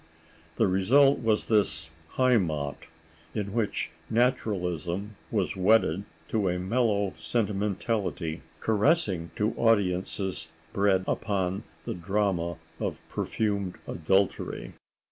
The result was this "Heimat," in which naturalism was wedded to a mellow sentimentality, caressing to audiences bred upon the drama of perfumed adultery.